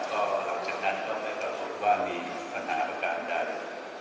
ก็หลังจากนั้นก็ได้ปรับปรับปรุงว่ามีปัญหาประการได้